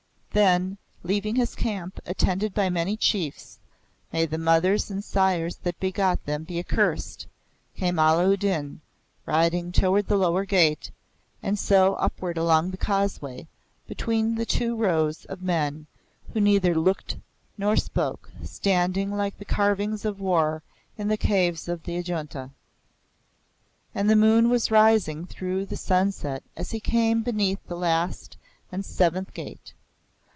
Then, leaving his camp, attended by many Chiefs, may the mothers and sires that begot them be accursed! came Allah u Din, riding toward the Lower Gate, and so upward along the causeway, between the two rows of men who neither looked nor spoke, standing like the carvings of war in the Caves of Ajunta. And the moon was rising through the sunset as he came beneath the last and seventh gate.